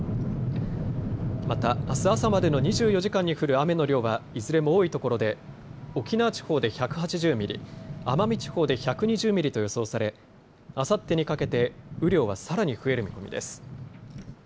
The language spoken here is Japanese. またあす朝までの２４時間に降る雨の量はいずれも多いところで沖縄地方で１８０ミリ、奄美地方で１２０ミリと予想されあさってにかけて雨量はさらに増える見込みです。